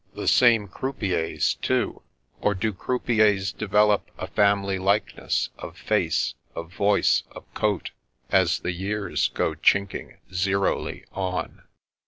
The same croupiers too; — (or do croupiers develop a family likeness of face, of voice, of coat, as the years go chinking zeroly on?).